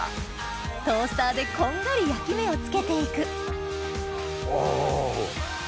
トースターでこんがり焼き目をつけて行くおう。